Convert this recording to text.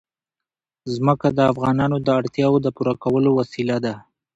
ځمکه د افغانانو د اړتیاوو د پوره کولو وسیله ده.